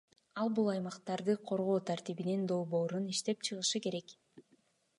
Ал бул аймактарды коргоо тартибинин долбоорун иштеп чыгышы керек.